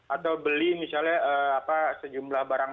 atau beli misalnya sejumlah barang